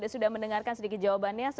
sudah mendengarkan sedikit jawabannya